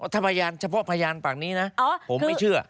ถ้าพยานเฉพาะพยานปากนี้นะผมไม่เชื่อ